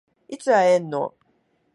いつ会えんの？